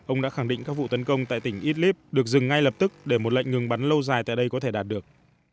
ông đã khẳng định các vụ tấn công tại tỉnh idlib được dừng ngay lập tức để một lệnh ngừng bắn lâu dài tại đây có thể đạt được